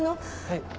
はい？